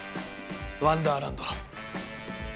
ワンダーランド。